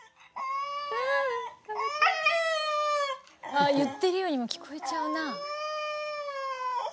「ああ言ってるようにも聞こえちゃうな」